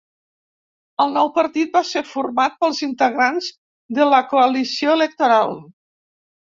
El nou partit va ser format pels integrants de la coalició electoral.